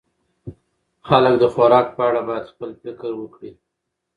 خلک د خوراک په اړه باید خپل فکر وکړي.